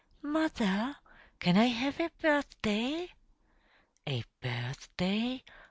"Mother, can I have a birthday?" "A birthday?"